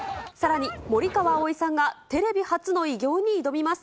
森川葵さんがテレビ初の偉業に挑みます。